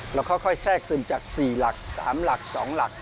เราค่อยแทรกซึมจาก๔หลัก๓หลัก๒หลัก